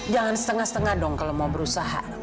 jangan setengah setengah dong kalau mau berusaha